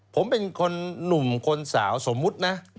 ผมเป็นคนหนุ่มคนสาวสมมุตินะ